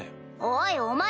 おいお前！